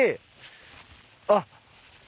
あっ。